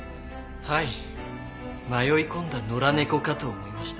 はい迷い込んだ野良猫かと思いました。